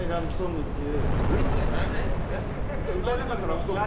『歌えなかったラヴ・ソング』？